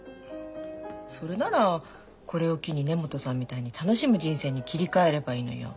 それならこれを機に根本さんみたいに楽しむ人生に切り替えればいいのよ。